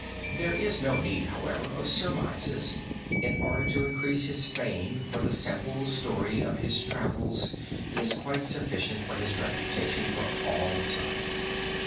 There is no need, however, of surmises in order to increase his fame for the simple story of his travels is quite sufficient for his reputation for all time.